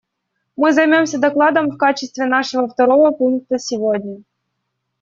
Мы займемся докладом в качестве нашего второго пункта сегодня.